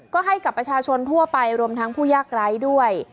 ก็ให้กับประชาชนทั่วไปรวมทั้งผู้ยากไร้ด้วย